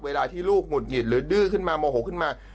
เวลาที่ลูกหงุดหงิดหรือดื้อขึ้นมาโมโหขึ้นมา